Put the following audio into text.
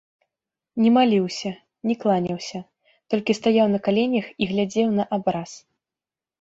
Не маліўся, не кланяўся, толькі стаяў на каленях і глядзеў на абраз.